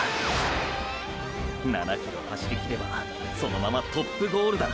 ７ｋｍ走りきればそのままトップゴールだ。